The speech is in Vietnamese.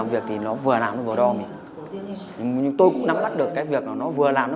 mình tắt đi chứ